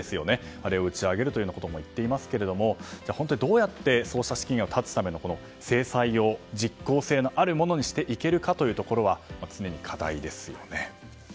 あれを打ち上げるということも言っていますけどじゃあ、どうやってそうした資金を断つための制裁を実効性のあるものにしていけるか常に課題ですよね。